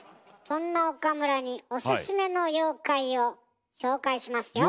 そんな岡村におすすめの妖怪を紹介しますよ。